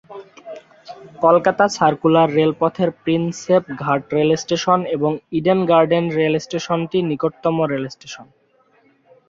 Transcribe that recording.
Kolkata circular রেলপথের Prinsep Ghat rail station এবং Eden Garden রেলস্টেশনটি নিকটতম রেলস্টেশন।